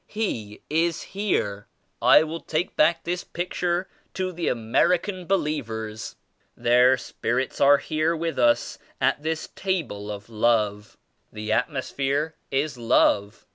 He is here. I will take back this picture to the American believers. Their spirits are here with us at this table of Love. The atmosphere is Love.